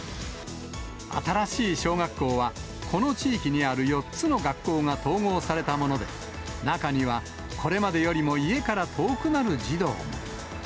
新しい小学校は、この地域にある４つの学校が統合されたもので、中には、これまでよりも家から遠くなる児童も。